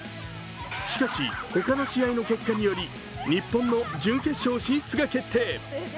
しかし、他の試合の結果により、日本の準決勝進出が決定。